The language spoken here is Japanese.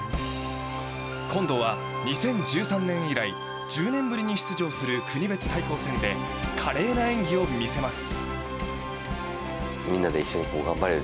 今度は２０１３年以来１０年ぶりに出場する国別対抗戦で華麗な演技を見せます。